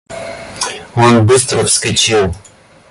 Он быстро вскочил.